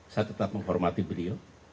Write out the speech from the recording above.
saya tetap menghormati beliau